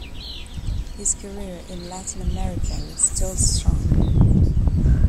His career in Latin America was still strong.